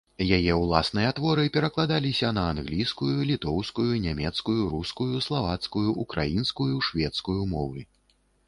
Яе ўласныя творы перакладаліся на англійскую, літоўскую, нямецкую, рускую, славацкую, украінскую, шведскую мовы.